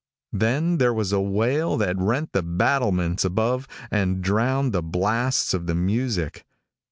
Then there was a wail that rent the battlements above and drowned the blasts of the music.